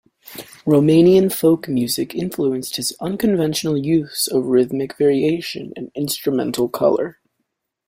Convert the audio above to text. Romanian folk music influenced his unconventional use of rhythmic variation and instrumental colour.